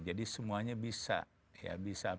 jadi semuanya bisa